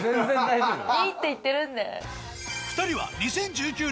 いいって言ってるんで。